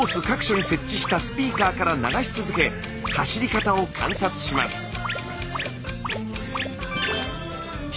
各所に設置したスピーカーから流し続け走り方を観察します。